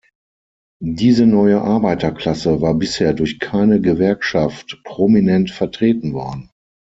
Diese neue Arbeiterklasse war bisher durch keine Gewerkschaft prominent vertreten worden.